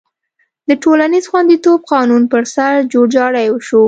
د ټولنیز خوندیتوب قانون پر سر جوړجاړی وشو.